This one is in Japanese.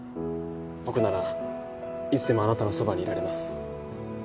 僕ならいつでもあなたのそばにいられます。